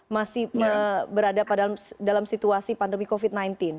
masih berada dalam situasi pandemi covid sembilan belas